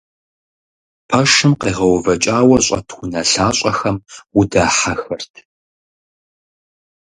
Пэшым къегъэувэкӀауэ щӀэт унэлъащӀэхэм удахьэхырт.